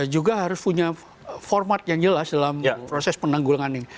juga harus punya format yang jelas dalam proses penanggulangan ini